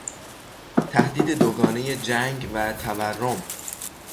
تهدید دوگانهی جنگ و تورم